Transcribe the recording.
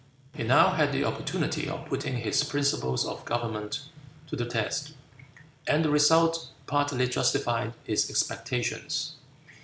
He now had an opportunity of putting his principles of government to the test, and the result partly justified his expectations.